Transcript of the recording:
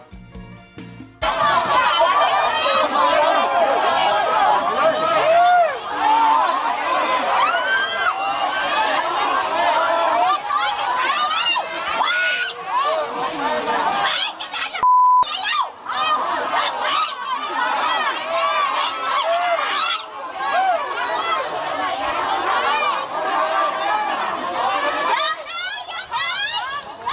ยังไงยังไง